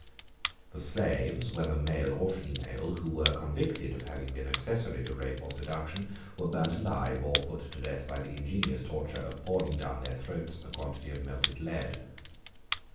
The slaves, whether male or female, who were convicted of having been accessory to rape or seduction, were burnt alive, or put to death by the ingenious torture of pouring down their throats a quantity of melted lead.